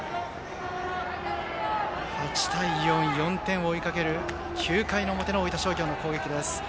８対４、４点を追いかける９回の表の大分商業の攻撃です。